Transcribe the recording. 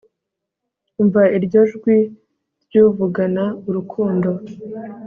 umva iryo jwi ry'uvugana urukundo